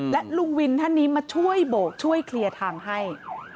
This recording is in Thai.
และลุงวินท่านนี้มาช่วยโบกช่วยเคลียร์ทางให้